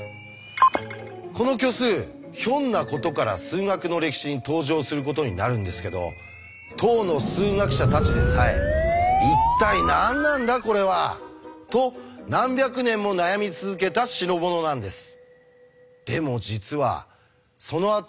この虚数ひょんなことから数学の歴史に登場することになるんですけど当の数学者たちでさえ「一体何なんだこれは！」と何百年も悩み続けた代物なんです。